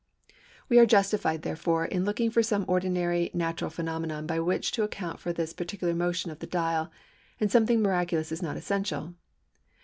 We are justified, therefore, in looking for some ordinary natural phenomenon by which to account for this peculiar motion on the dial, and something miraculous is not essential.